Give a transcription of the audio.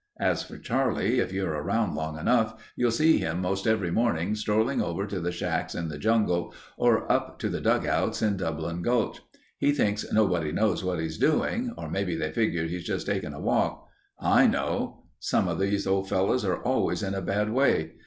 As for Charlie, if you're around long enough you'll see him most every morning strolling over to the shacks in the jungle or up to the dugouts in Dublin Gulch. He thinks nobody knows what he's doing or maybe they figure he's just taking a walk. I know. Some of these old fellows are always in a bad way.